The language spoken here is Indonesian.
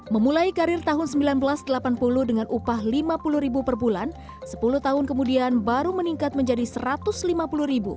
memulai karir tahun seribu sembilan ratus delapan puluh dengan upah rp lima puluh per bulan sepuluh tahun kemudian baru meningkat menjadi rp satu ratus lima puluh